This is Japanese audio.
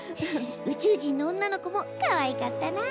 うちゅう人の女の子もかわいかったなぁ。